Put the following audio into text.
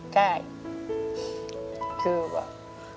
ใช่คือว่า